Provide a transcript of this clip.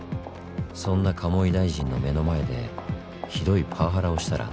そんな鴨井大臣の目の前でひどいパワハラをしたら？